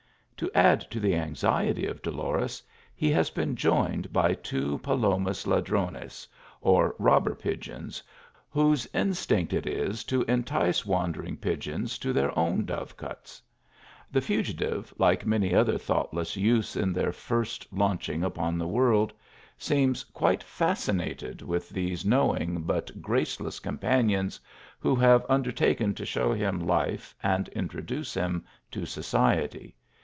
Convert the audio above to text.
To add to the anxiety of Dolores, he has been joined by two palomas ia drones, or robber pigeons, whose instinct it is tc entice wandering pigeons to their own dove cotes, The fugitive, like many other thoughtless youths on their first launching upon the world, seems quite fascinated with these knowing, but graceless, com panions, who have undertaken to show him life and introduce him to society.